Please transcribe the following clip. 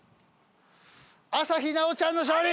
朝日奈央ちゃんの勝利！